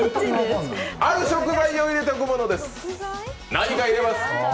ある食材を入れておくものです、何か入れます。